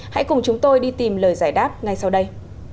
hãy cùng chúng tôi đi tìm lời giải đáp ngay sau đây